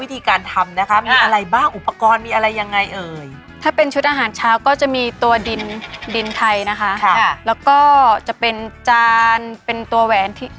สารกันให้มันออกเป็นสีที่เราแบบต้องการนะคะ